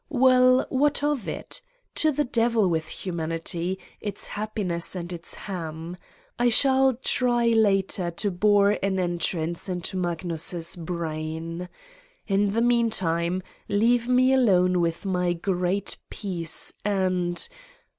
Well, what of it? To the devil with humanity, its happiness and its ham ! I shall try later to bore an entrance into Magnus' brain. In the meantime leave me alone with my great peace and